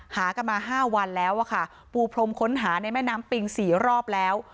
หากันมา๕วันแล้วอะค่ะปูพรมค้นหาในแม่น้ำปิง๔รอบแล้ว